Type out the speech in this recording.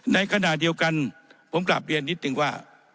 ในขณะเดียวกันผมกลับเรียนนิดนึงว่า